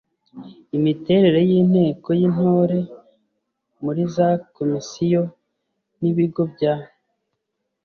Imiterere y’Inteko y’Intore muri za Komisiyo n’ibigo bya